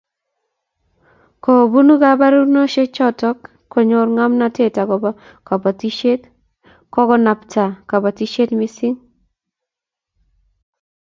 Kobun koborunoisiechoto konyoru ngomnatet agobo kobotisiet kokanabta kobotisiet missing